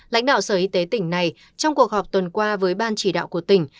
lãnh đạo sở y tế tỉnh này trong cuộc họp tuần qua với ban chỉ đạo của tỉnh